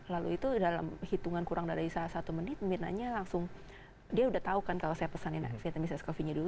lalu itu dalam hitungan kurang dari satu menit mirna nya langsung dia sudah tahu kan kalau saya pesan vitamin s kopinya dulu